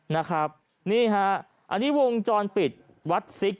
นะครับนี่ฮะอันนี้วงจรปิดวัดซิก